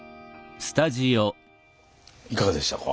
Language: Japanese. いかがでしたか。